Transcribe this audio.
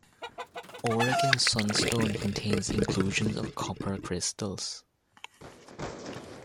Oregon sunstone contains inclusions of copper crystals.